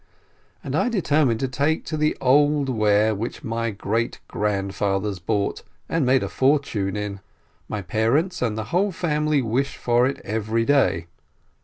And I determine to take to the old ware which my great great grandfathers bought, and made a fortune in. My parents and the whole family wish for it every day.